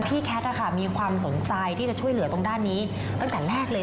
แคทมีความสนใจที่จะช่วยเหลือตรงด้านนี้ตั้งแต่แรกเลย